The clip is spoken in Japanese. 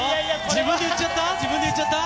自分で言っちゃった？